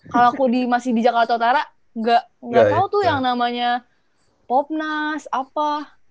kalau aku masih di jakarta utara nggak tahu tuh yang namanya popnas apa